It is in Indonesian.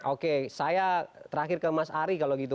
oke saya terakhir ke mas ari kalau gitu